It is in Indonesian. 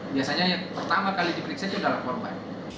biasanya yang pertama kali diperiksa itu adalah korban